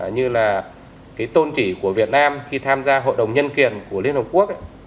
như là cái tôn trị của việt nam khi tham gia hội đồng nhân kiền của liên hợp quốc